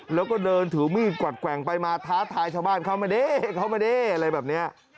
แล้วก็เดินถือมีดกวัดแกว่งไปมาท้าทายชาวบ้านเข้ามาเด้เข้ามาเด้อะไรแบบนี้